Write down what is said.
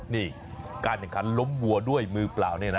นี่การแข่งขันล้มวัวด้วยมือเปล่าเนี่ยนะ